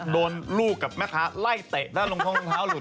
โดนลูกกับแม่ค้าไล่เตะแล้วลงท้องรองเท้าหลุด